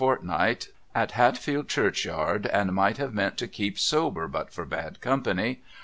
BUFFLE 359 fortnight at Hatfield churchyard and might have meant to keep sober but for bad company.